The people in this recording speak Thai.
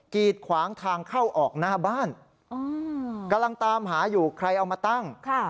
กีดขวางทางเข้าออกหน้าบ้านกำลังตามหาอยู่ใครเอามาตั้ง